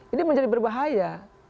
ini menjadi berbahaya